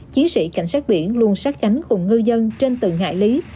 chiến sĩ cảnh sát biển luôn sát cánh cùng ngư dân trên từng hải lý